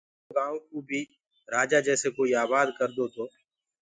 اگر ايٚرو گآئو ڪو بيٚ رآجآ جيسي ڪوئيٚ آبآد ڪردي تو